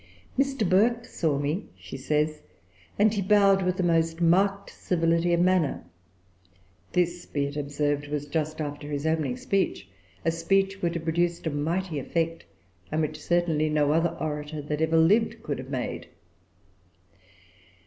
"Mr. Burke saw me," she says, "and he bowed with the most marked civility of manner." This, be it observed, was just after his opening speech,—a speech which had produced a mighty effect, and which, certainly, no other orator that ever lived could have made.